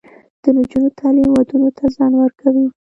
د نجونو تعلیم ودونو ته ځنډ ورکوي.